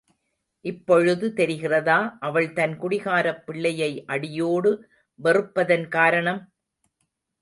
இப்பொழுது தெரிகிறதா, அவள் தன் குடிகாரப் பிள்ளையை அடியோடு வெறுப்பதன் காரணம்?